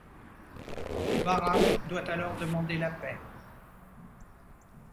Vahram doit alors demander la paix.